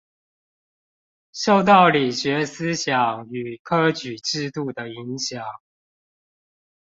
受到理學思想與科舉制度的影響